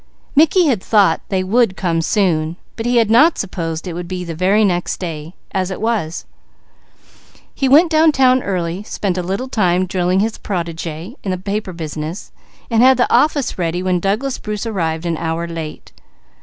Mickey had thought they would come soon, but he had not supposed it would be the following day. He went downtown early, spent some time drilling his protégé in the paper business, and had the office ready when Douglas Bruce arrived an hour late.